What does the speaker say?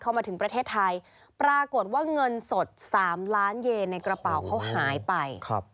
มาถึงประเทศไทยปรากฏว่าเงินสด๓ล้านเยในกระเป๋าเขาหายไป